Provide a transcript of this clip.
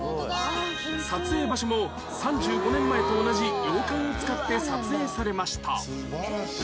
撮影場所も３５年前と同じ洋館を使って撮影されました